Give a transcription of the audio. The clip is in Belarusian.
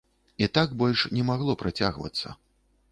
І так больш не магло працягвацца.